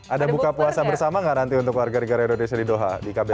ada buka puasa bersama nggak nanti untuk warga negara indonesia di doha di kbri